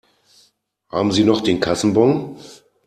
Haben Sie noch den Kassenbon?